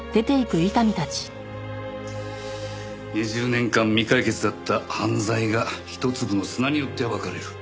２０年間未解決だった犯罪が一粒の砂によって暴かれる。